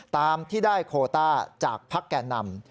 ตามที่ได้โคต้าจากพักแก่นำ